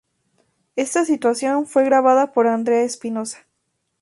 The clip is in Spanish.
Esta situación fue grabada por Andrea Espinoza.